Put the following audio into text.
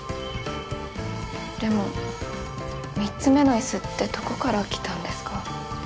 でも３つ目の椅子ってどこから来たんですか？